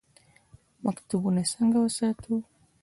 مکتبونه څنګه وساتو؟